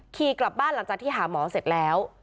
ขี่กลับบ้านหลังจากที่หาหมอเสร็จแล้ว